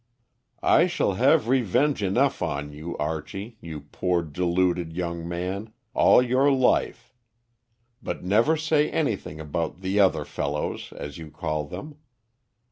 "I shall have revenge enough on you, Archie, you poor, deluded young man, all your life. But never say anything about 'the other fellows,' as you call them.